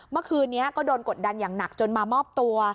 เมื่อคืนนี้ก็โดนกดดันอย่างหนักจนมามอบตัว